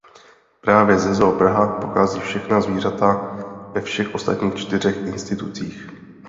Právě ze Zoo Praha pocházejí všechna zvířata ve všech ostatních čtyřech institucích.